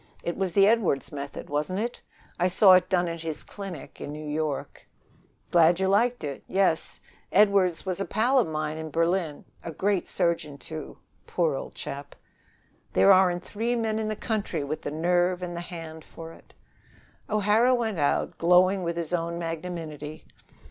It was the Edwardes method, wasn't it? I saw it done at his clinic in New York." "Glad you liked it. Yes. Edwardes was a pal at mine in Berlin. A great surgeon, too, poor old chap!" "There aren't three men in the country with the nerve and the hand for it." O'Hara went out, glowing with his own magnanimity.